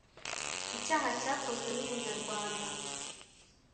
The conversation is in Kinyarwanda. icyaha cyakozwe n umunyarwanda